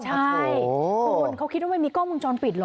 ใช่คุณเขาคิดว่ามันมีกล้องวงจรปิดเหรอ